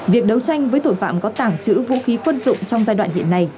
việc đấu tranh với tội phạm có tàng trữ vũ khí quân dụng trong giai đoạn hiện nay